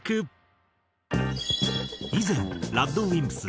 以前ＲＡＤＷＩＭＰＳ